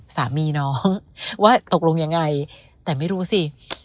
สามีน้องว่าตกลงยังไงแต่ไม่รู้สิ